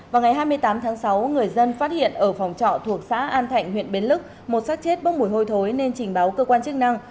vào ngày hai mươi tám tháng sáu người dân phát hiện ở phòng trọ thuộc xã an thạnh huyện bến lức một sát chết bốc mùi hôi thối nên trình báo cơ quan chức năng